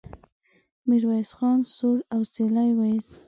ميرويس خان سوړ اسويلی وايست.